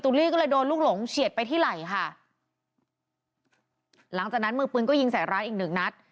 ลี่ก็เลยโดนลูกหลงเฉียดไปที่ไหล่ค่ะหลังจากนั้นมือปืนก็ยิงใส่ร้านอีกหนึ่งนัด